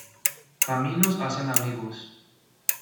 Caminos hacen amigos.